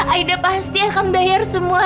aida pasti akan bayar semua